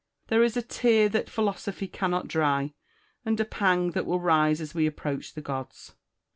there is a tear that Philosophy cannot dry, and a pang that will rise as we approach the gods.